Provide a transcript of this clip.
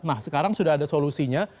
nah sekarang sudah ada solusinya